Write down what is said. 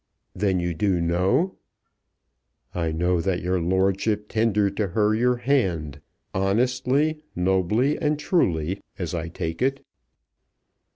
"Then you do know?" "I know that your lordship tendered to her your hand, honestly, nobly, and truly, as I take it."